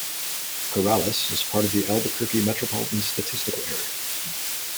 Corrales is part of the Albuquerque Metropolitan Statistical Area.